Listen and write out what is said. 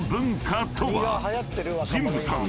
［神部さん